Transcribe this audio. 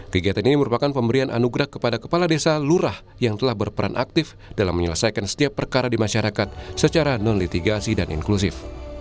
kegiatan ini merupakan pemberian anugerah kepada kepala desa lurah yang telah berperan aktif dalam menyelesaikan setiap perkara di masyarakat secara non litigasi dan inklusif